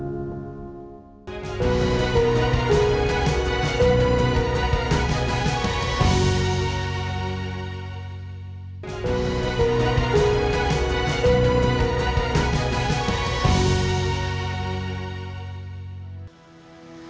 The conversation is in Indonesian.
karena itu jumlah perang untuk perang sebagai pandemi ter reverberasi tahan anak